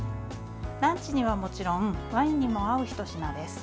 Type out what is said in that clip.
ランチにはもちろんワインにも合うひと品です。